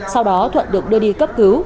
sau đó thuận được đưa đi cấp cứu